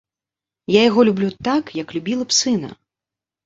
Я яго люблю так, як любіла б сына.